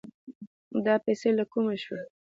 دا پيسې له کومه شوې؟